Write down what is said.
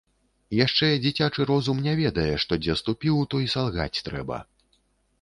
Яшчэ дзіцячы розум не ведае, што дзе ступіў, то і салгаць трэба.